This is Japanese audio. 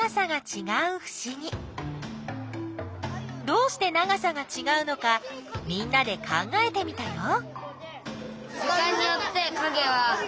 どうして長さがちがうのかみんなで考えてみたよ。